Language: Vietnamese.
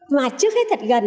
mà trước hết thật gần